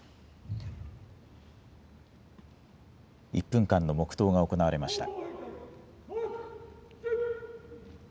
１分間の黙とうが行われました。